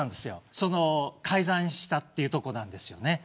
改ざんしたというところですよね。